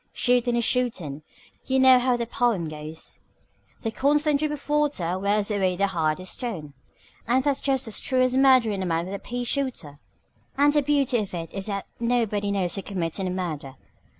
Shootin' is shootin'. You know how that pome goes 'The constant drip of water Wears away the hardest stone ' and that's just as true of murderin' a man with a pea shooter. "And the beauty of it is that nobody knows you're committin' a murder.